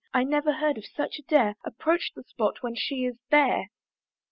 I never heard of such as dare Approach the spot when she is there.